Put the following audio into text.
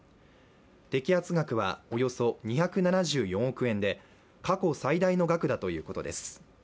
摘発額はおよそ２７４億円で過去最大の額だということです。